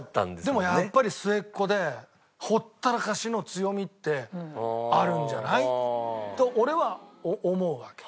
でもやっぱり末っ子でほったらかしの強みってあるんじゃない？と俺は思うわけ。